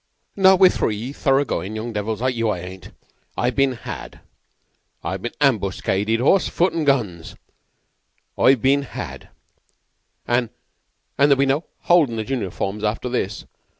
"Not with three thorough goin' young devils like you, I ain't. I've been had. I've been ambuscaded. Horse, foot, an' guns, I've been had, an' an' there'll be no holdin' the junior forms after this.